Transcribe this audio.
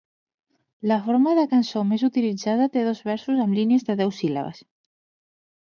La forma de cançó més utilitzada té dos versos amb línies de deu síl·labes.